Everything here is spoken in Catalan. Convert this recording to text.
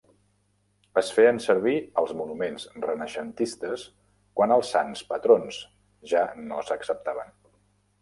Es feien servir als monuments renaixentistes quan els sants patrons ja no s'acceptaven.